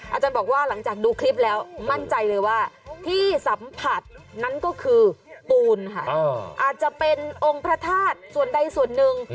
อาจารย์บอกว่าหลังจากดูคลิปแล้วมั่นใจเลยว่าที่สัมผัสนั้นก็คือปูนค่ะอาจจะเป็นองค์พระธาตุส่วนใดส่วนหนึ่ง